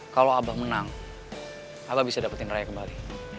kalau abah menang abah bisa dapetin raya kembali